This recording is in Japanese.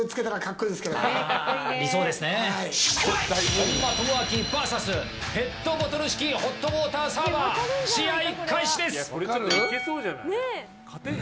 本間朋晃ＶＳペットボトル式ホットウォーターサーバー試合開始です！